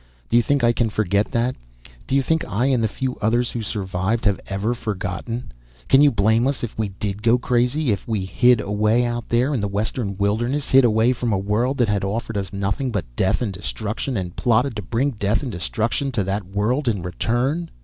Do you think I can forget that? Do you think I and the few others who survived have ever forgotten? Can you blame us if we did go crazy? If we hid away out there in the western wilderness, hid away from a world that had offered us nothing but death and destruction, and plotted to bring death and destruction to that world in return?